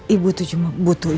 ibu tuh cuma butuh istri